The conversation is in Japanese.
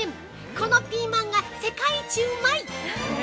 このピーマンが世界一うまい！